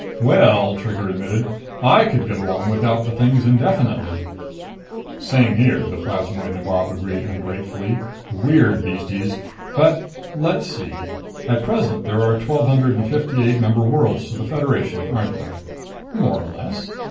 "Well," Trigger admitted, "I could get along without the things indefinitely." "Same here," the plasmoid nabob agreed ungratefully. "Weird beasties! But let's see. At present there are twelve hundred and fifty eight member worlds to the Federation, aren't there?" "More or less."